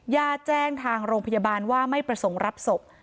ญาติแจ้งทางโรงพยาบาลว่าไม่ประสงค์รับศพ